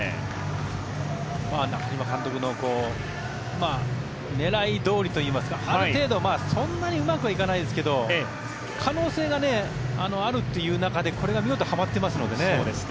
中嶋監督の狙いどおりといいますかある程度、そんなにうまくはいかないですけど可能性があるっていう中でこれが見事はまっていますのでね。